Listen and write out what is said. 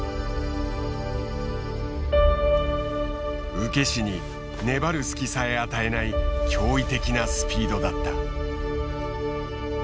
受け師に粘る隙さえ与えない驚異的なスピードだった。